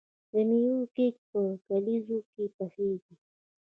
د میوو کیک په کلیزو کې پخیږي.